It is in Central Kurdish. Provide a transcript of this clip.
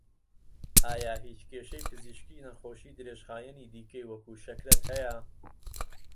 ئایا هیچ کێشەی پزیشکی نەخۆشی درێژخایەنی دیکەی وەکوو شەکرەت هەیە؟